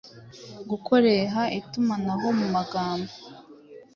gukoreha itumanaho mu magambo